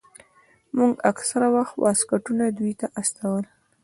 موږ اکثره وخت واسکټونه دوى ته استول.